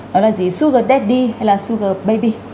nó là gì sugar daddy hay là sugar baby